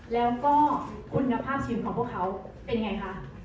แล้วก็คุณภาพชีวิตของพวกเขาเป็นไงคะ